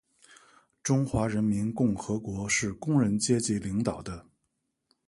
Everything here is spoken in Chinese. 中华人民共和国是工人阶级领导的